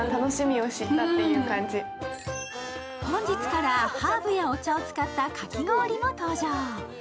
本日からハーブやお茶を使ったかき氷も登場。